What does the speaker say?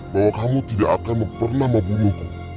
bahwa kamu tidak akan pernah membunuhku